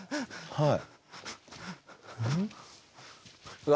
はい。